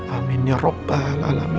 amin ya rabbal alamin